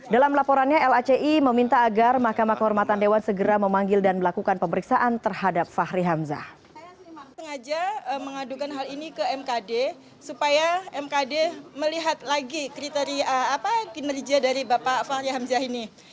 dalam laporannya laci meminta agar mahkamah kehormatan dewan segera memanggil dan melakukan pemeriksaan terhadap fahri hamzah